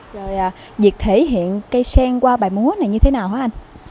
rồi việc thể hiện cây sen qua bài muối này như thế nào hả anh